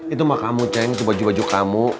itu mah kamu ceng baju baju kamu